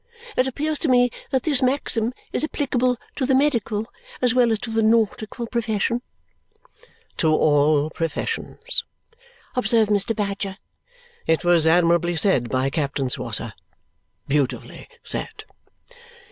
It appears to me that this maxim is applicable to the medical as well as to the nautical profession. "To all professions," observed Mr. Badger. "It was admirably said by Captain Swosser. Beautifully said."